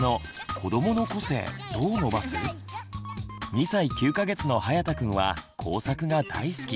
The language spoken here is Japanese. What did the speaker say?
２歳９か月のはやたくんは工作が大好き。